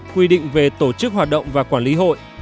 quy định về tổ chức hoạt động và quản lý hội